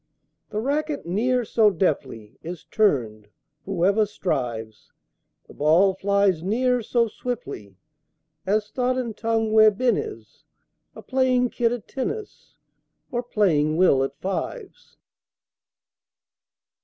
The racquet ne'er so deftly Is turned, whoever strives, The ball flies ne'er so swiftly As thought and tongue where Ben is A playing Kit at tennis, Or playing Will at fives.